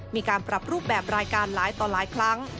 มีการปรับรูปแบบรายการหลายต่อหลายครั้ง